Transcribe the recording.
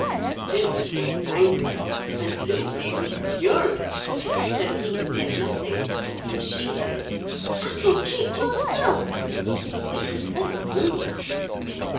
Philip was angry and Lucy was furious. So he said nothing. And she said: 'Apple cheeked yourself!' which was very rude.